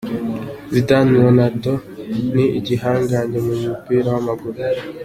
Zidane: Ronaldo ni igihangange mu mupira w'amaguru.